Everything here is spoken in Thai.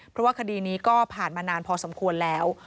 เพราะว่าคดีนี้ก็ผ่านมานานพอสมควรแล้ว